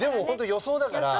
予想だから。